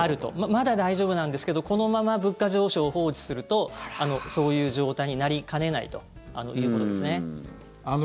まだ大丈夫なんですけどこのまま物価上昇を放置するとそういう状態になりかねないということですね。